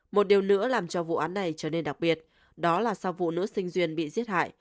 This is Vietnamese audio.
một điều nữa làm cho vụ án này trở nên đặc biệt đó là sau vụ nữ sinh duyên bị giết hại